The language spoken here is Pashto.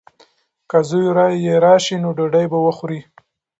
که زوی یې راشي نو ډوډۍ به وخوري.